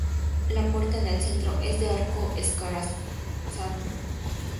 La puerta, en el centro, es de arco escarzano.